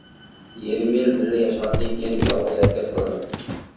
يېرىم يىل بىللە ياشىغاندىن كېيىن يالغۇز ھەرىكەت قىلىدۇ.